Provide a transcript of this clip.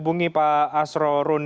baik pak ni am silakan